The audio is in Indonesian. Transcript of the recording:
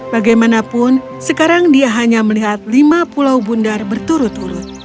bagaimanapun sekarang dia hanya melihat lima pulau bundar berturut turut